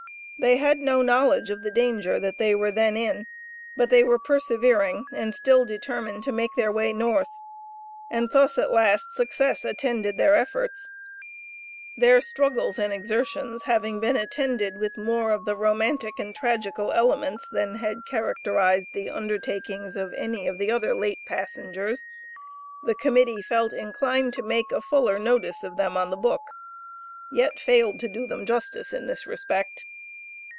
They had no knowledge of the danger that they were then in, but they were persevering, and still determined to make their way North, and thus, at last, success attended their efforts. Their struggles and exertions having been attended with more of the romantic and tragical elements than had characterized the undertakings of any of the other late passengers, the Committee felt inclined to make a fuller notice of them on the book, yet failed to do them justice in this respect.